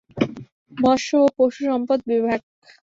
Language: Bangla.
মৎস্য ও পশু সম্পদ বিভাগ।